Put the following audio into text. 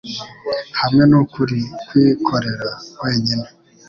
hamwe nukuri kwikorera wenyine